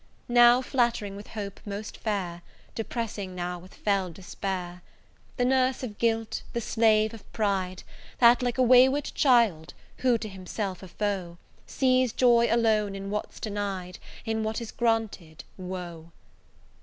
Now flattering with Hope most fair, Depressing now with fell Despair, The nurse of Guilt, the slave of Pride, That, like a wayward child, Who, to himself a foe, Sees joy alone in what's denied, In what is granted, woe!